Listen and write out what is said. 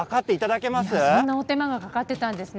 そんなお手間がかかっていたんですね。